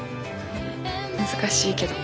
難しいけど。